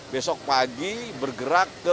besok pagi bergerak ke